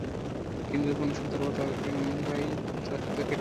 কিন্তু কোন সতর্কতাই তাদেরকে ঠেকাতে পারল না।